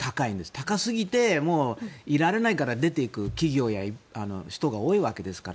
高すぎていられないから出ていく企業や人が多いわけですから。